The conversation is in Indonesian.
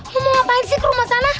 mau ngapain sih ke rumah sana